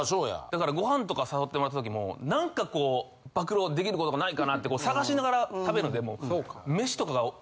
だからご飯とか誘ってもらった時も何かこう暴露できることがないかなって探しながら食べるんでもう。